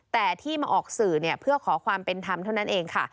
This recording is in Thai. แต่ที่มาออกสื่อเพื่อขอความเป็นธรรมเท่านั้นเองค่ะ